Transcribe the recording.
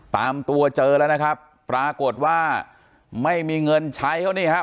ตามตัวเจอแล้วนะครับปรากฏว่าไม่มีเงินใช้เขานี่ครับ